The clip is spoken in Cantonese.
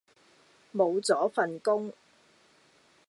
無咗份工